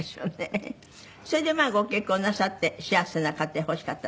それでまあご結婚なさって幸せな家庭欲しかった。